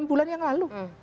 enam bulan yang lalu